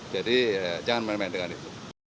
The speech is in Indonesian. jadi jangan main main dengan itu